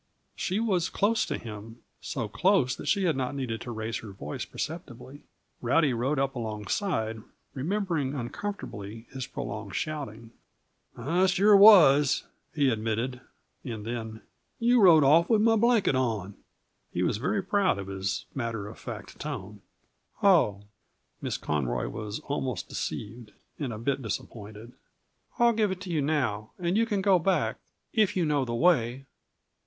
She was close to him so close that she had not needed to raise her voice perceptibly. Rowdy rode up alongside, remembering uncomfortably his prolonged shouting. "I sure was," he admitted. And then: "You rode off with my blanket on." He was very proud of his matter of fact tone. "Oh!" Miss Conroy was almost deceived, and a bit disappointed. "I'll give it to you now, and you can go back if you know the way."